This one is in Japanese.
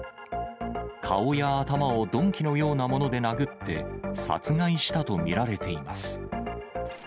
顔や頭を鈍器のようなもので殴って、殺害したと見られています。